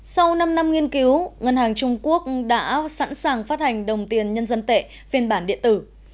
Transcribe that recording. sau năm năm nghiên cứu ngân hàng trung quốc đã sẵn sàng phát hành đồng tiền nhân dân tệ phiên bản điện tử